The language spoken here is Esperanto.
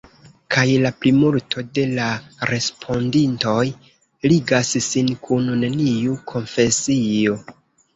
Kaj la plimulto de la respondintoj ligas sin kun neniu konfesio.